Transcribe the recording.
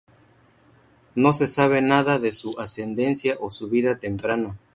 No se sabe nada de su ascendencia o su vida temprana.